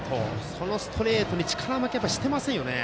そのストレートに力負けしてませんよね。